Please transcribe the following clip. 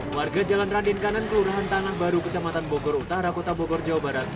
warga jalan raden kanan kelurahan tanah baru kecamatan bogor utara kota bogor jawa barat